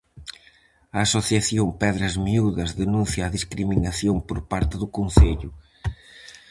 A Asociación Pedras Miúdas denuncia a discriminación por parte do Concello.